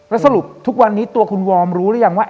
แล้วสรุปทุกวันนี้ตัวคุณวอร์มรู้หรือยังว่า